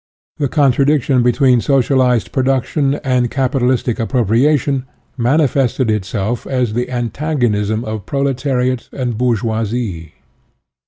The contradiction be ' tween socialized production and capitalistic appropriation manifested itself as the an tagonism of proletariat and bourgeoisie.